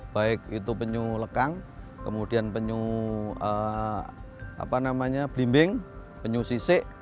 baik itu penyu lekang kemudian penyu blimbing penyu sisek